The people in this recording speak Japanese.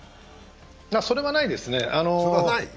それはないですね。